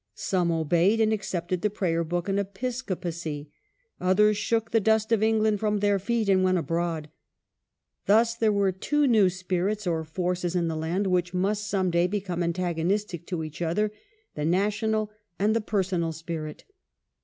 Some obeyed and accepted the Prayer book and Episcopacy; others shook the dust of England from their feet and went abroad. Thus there were two new spirits or forces in the land which must some day become antagonistic to each other — the national and the personal spirit.